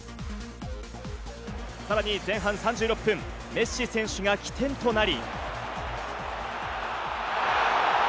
さらに前半３６分、メッシ選手が起点となり。